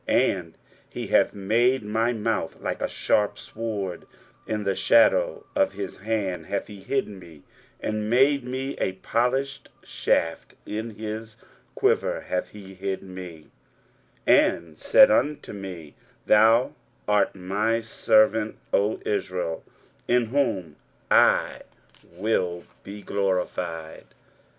23:049:002 And he hath made my mouth like a sharp sword; in the shadow of his hand hath he hid me, and made me a polished shaft; in his quiver hath he hid me; 23:049:003 And said unto me, Thou art my servant, O Israel, in whom I will be glorified.